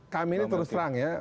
kami ini terus terang ya